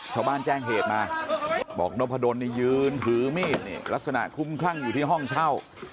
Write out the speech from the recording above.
ชาวบ้านแจ้งเหตุมาบอกนพดลนี่ยืนถือมีดลักษณะคุ้มคลั่งอยู่ที่ห้องเช่า